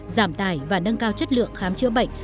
giảm tài và nâng cao chất lượng khám chữa bệnh